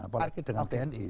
apalagi dengan tni